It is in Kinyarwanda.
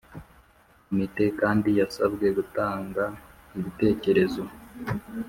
Komite kandi yasabwe gutanga ibitekerezo